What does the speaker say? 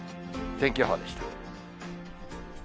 天気予報でした。